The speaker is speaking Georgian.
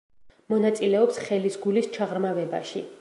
მონაწილეობს ხელისგულის ჩაღრმავებაში.